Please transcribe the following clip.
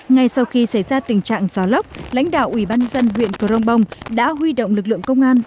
ngay sau khi xảy ra tình trạng gió lúc lãnh đạo ủy ban dân huyện cơ rông bông đã huy động lực lượng công an